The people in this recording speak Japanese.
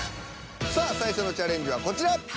さあ最初のチャレンジはこちら。